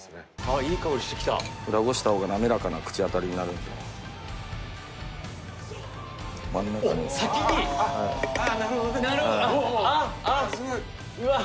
いい香りしてきた裏ごしたほうが滑らかな口当たりになるので真ん中におっ先になるほどあっあっ